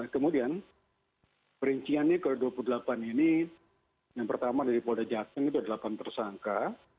kemudian perinciannya ke dua puluh delapan ini yang pertama dari polda jateng itu ada delapan tersangka